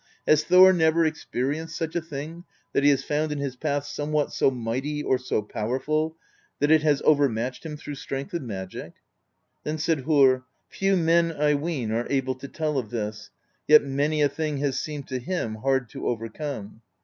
Has Thor never experienced such a thing, that he has found in his path somewhat so mighty or so powerful that it has overmatched him through strength of magic?" Then said Harr: "Few men, I ween, are able to tell of this; yet many a thing has seemed to him hard to overcome.